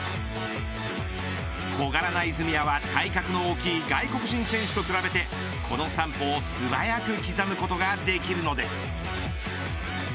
小柄な泉谷は、体格の大きい外国人選手と比べてこの３歩を素早く刻むことができるのです。